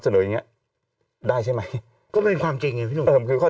เฉลยอย่างเงี้ยได้ใช่ไหมก็ไม่เป็นความจริงเออข้อเจ็บจริงก็ไม่